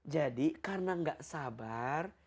jadi karena gak sabar